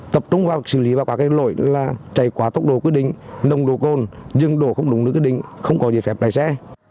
tập trung vào xử lý và các cái lỗi là chạy quá tốc độ quy định nồng đồ côn dừng đồ không đúng lưu quy định không có nhiệt pháp đẩy xe